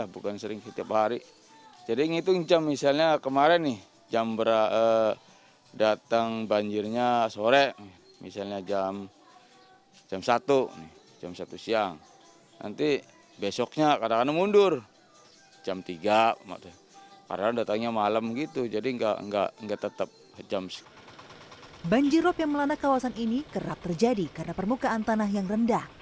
banjirop yang melanda kawasan ini kerap terjadi karena permukaan tanah yang rendah